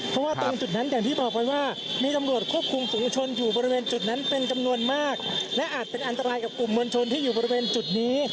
เพราะว่าตรงจุดนั้นอย่างที่บอกไปว่ามีตำรวจควบคุมฝุงชนอยู่บริเวณจุดนั้นเป็นจำนวนมากและอาจเป็นอันตรายกับกลุ่มมวลชนที่อยู่บริเวณจุดนี้